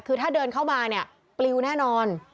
คือถ้าเดินเข้ามาเนี่ยปลิวแน่นอน